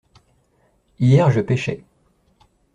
Hier je pêchais.